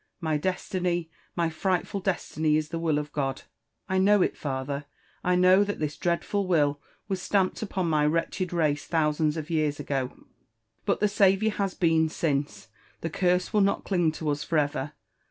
— My destiny, my frightful destiny is the will of God. I know it, father; I know that this dreadful will was stamped upon my wretched race thousands of years ago. — But the Saviour has been since— the curse will not cling to us for ever